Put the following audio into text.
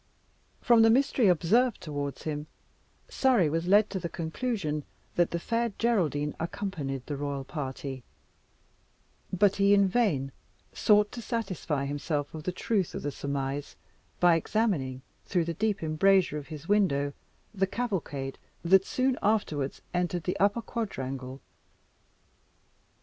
From the mystery observed towards him, Surrey was led to the conclusion that the Fair Geraldine accompanied the royal party; but he in vain sought to satisfy himself of the truth of the surmise by examining, through the deep embrasure of his window, the cavalcade that soon afterwards entered the upper quadrangle.